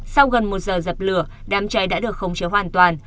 sau gần một giờ dập lửa đám cháy đã được khống chế hoàn toàn